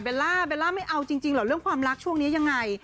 เบลล่าไม่เอาจริงหรอกเรื่องความรักช่วงนี้ยังไง